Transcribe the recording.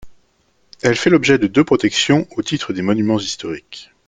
Elle fait l'objet de deux protections au titre des monuments historiques.